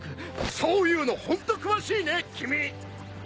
そういうのホント詳しいね君！